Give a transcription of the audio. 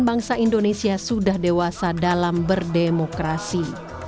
bangsa indonesia sudah dewasa dalam berdemokrasi